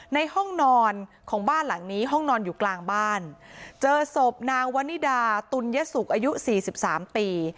ในห้องนอนของบ้านหลังนี้ห้องนอนอยู่กลางบ้านเจอศพนางวันนิดาตุลยสุขอายุสี่สิบสามปี